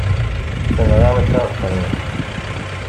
Tenɣamt-aɣ-ten.